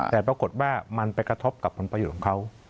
แต่ปรากฏว่ามันไปกระทบกับผลประโยชน์ของเขา